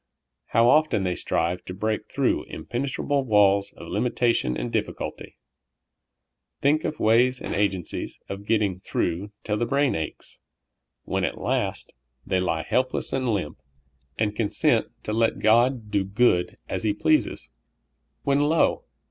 How often they vStrive to break through impenetrable walls of limitation and difficulty, think of ways and agencies of getting through till the brain aches, when at last they lie helpless and limp, and consent to '' let God '' do good as He pleases ; when lo